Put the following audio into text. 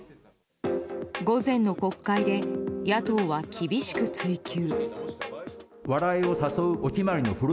午前の国会で野党は厳しく追及。